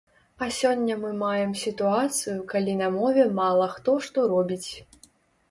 А сёння мы маем сітуацыю, калі на мове мала хто што робіць.